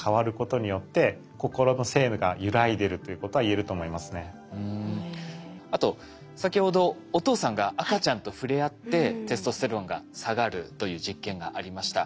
個人の中ですら分単位秒単位にあと先ほどお父さんが赤ちゃんと触れあってテストステロンが下がるという実験がありました。